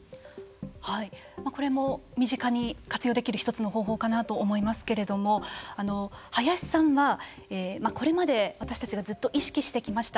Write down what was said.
これも身近に活用できる１つの方法かなと思いますけれども林さんはこれまで私たちがずっと意識してきました